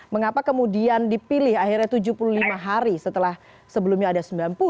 mengapa kemudian dipilih akhirnya tujuh puluh lima hari setelah sebelumnya ada sembilan puluh satu ratus dua puluh kemudian enam puluh